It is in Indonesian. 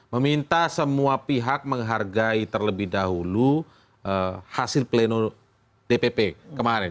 meminta semua pihak menghargai terlebih dahulu hasil pleno dpp kemarin